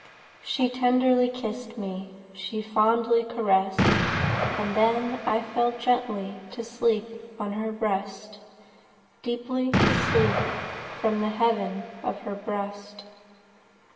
She tenderly kiss'd me, She fondly caress'd, And then I fell gently 75 To sleep on her breast— Deeply to sleep From the heaven of her breast.